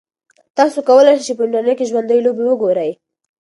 تاسو کولای شئ چې په انټرنیټ کې ژوندۍ لوبې وګورئ.